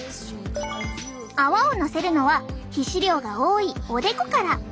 泡をのせるのは皮脂量が多いおでこから。